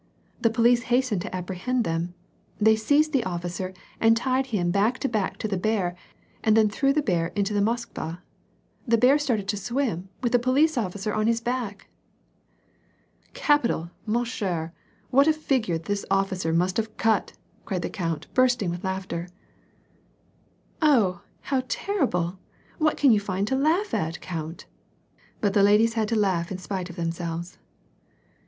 The police hastened to apprehend them. They seized the oflBcer and tied him back to back to the bear, and then threw the bear into the Moskva : the bear started to swim with the police officer on his back !" f. " Capital, 7na chere, what a fig^ire the officer must have cut !" cried the count, bursting with laughter. " Oh, how terrible ! what can you find to laugh at, count ?" But the ladies had to laugh in spite of themselves.